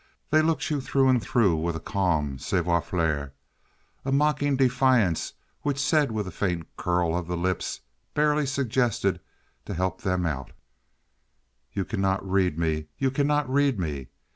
They looked you through and through with a calm savoir faire, a mocking defiance, which said with a faint curl of the lips, barely suggested to help them out, "You cannot read me, you cannot read me."